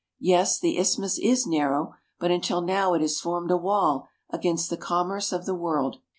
Yes, the isthmus is narrow, but until now it has formed a wall against the commerce of the world.